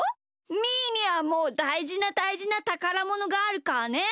みーにはもうだいじなだいじなたからものがあるからね。